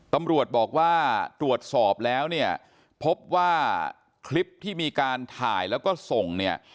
ตำรวจบอกว่าตรวจสอบแล้วเนี่ยพบว่าคลิปที่มีการถ่ายแล้วก็ส่งเนี่ย